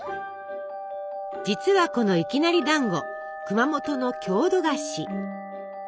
実はこのいきなりだんご熊本の郷土菓子。